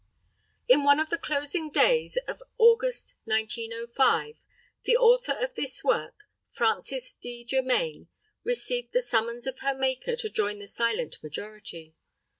In one of the closing days of August, 1905, the author of this work, FRANCES D. JERMAIN, received the summons of her Maker to join the Silent Majority.